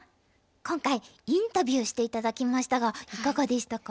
今回インタビューして頂きましたがいかがでしたか？